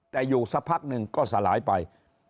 แต่อยู่สับถ้านึงก็สลายไป